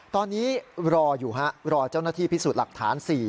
ตอนนี้รออยู่ฮะรอเจ้าหน้าที่พิสูจน์หลักฐาน๔